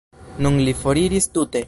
Nun li foriris tute.